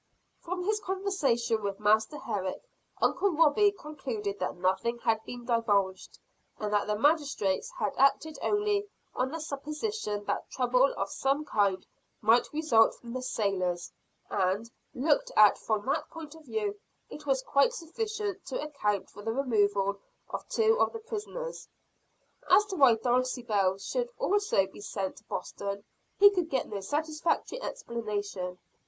From his conversation with Master Herrick, Uncle Robie concluded that nothing had been divulged; and that the magistrates had acted only on the supposition that trouble of some kind might result from the sailors. And, looked at from that point of view, it was quite sufficient to account for the removal of two of the prisoners. As to why Dulcibel also should be sent to Boston, he could get no satisfactory explanation.